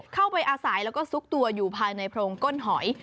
เข้าไปอาศัยแล้วก็ซุกตัวอยู่ภายในโพรงก้นหอย